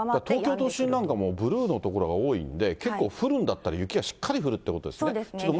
東京都心なんかも、ブルーの所が多いんで、結構降るんだったらしっかり降るってことですね。